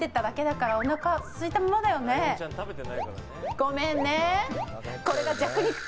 ごめんね。